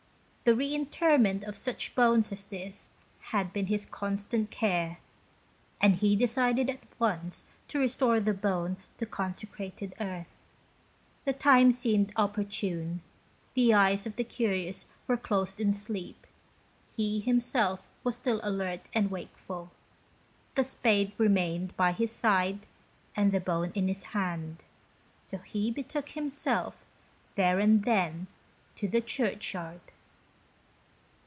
The re interment of such bones as this had been his constant care, and he decided at once to restore the bone to consecrated earth. The time seemed opportune. The eyes of the curious were closed in sleep, he himself was still alert and wakeful. The spade remained by his side and the bone in his hand. So he betook himself, there and then, to the church yard.